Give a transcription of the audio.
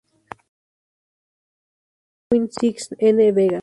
Con el álbum "Halloween Sex N Vegas".